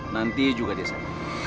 nanti juga dia sar